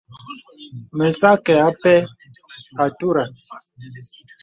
Mə̀ sə̄ akɛ̄ apɛ àturə.